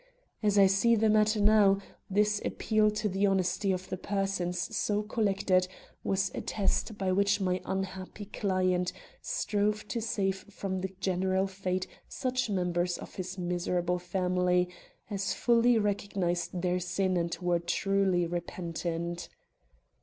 As I see the matter now, this appeal to the honesty of the persons so collected was a test by which my unhappy client strove to save from the general fate such members of his miserable family as fully recognized their sin and were truly repentant."